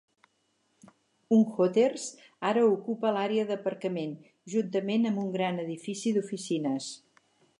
Un Hooters ara ocupa l'àrea d'aparcament, juntament amb un gran edifici d'oficines.